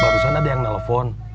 barusan ada yang nelfon